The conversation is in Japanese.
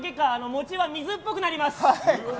餅は水っぽくなります。